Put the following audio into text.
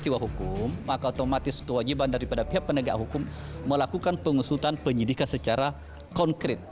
wajiban daripada pihak penegak hukum melakukan pengusutan penyidikan secara konkret